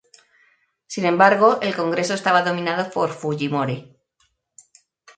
Sin embargo, el Congreso estaba dominado por Fujimori.